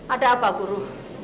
ada apa guru